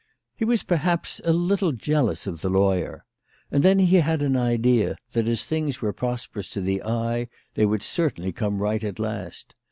He was, perhaps, a little jealous of the lawyer. And then he had an idea that as things were prosperous to the eye, they would certainly come right at last.